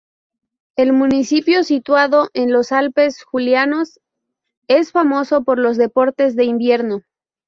El municipio, situado en los Alpes Julianos, es famoso por los deportes de invierno.